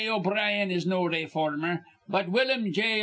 O'Brien is no rayformer. But Willum J.